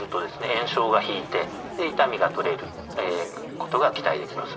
炎症が引いて痛みが取れることが期待できます。